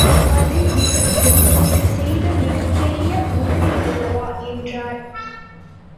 அது இவர் எங்களுக்குச் செய்த மிகப் பெரிய உதவியல்லவா? என்றார்.